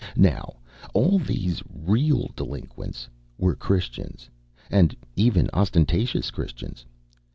Now all these real delinquents were Christians, and even ostentatious Christians.